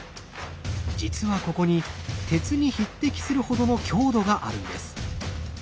実はここに鉄に匹敵するほどの強度があるんです。